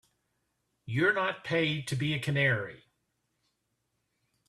You're not paid to be a canary.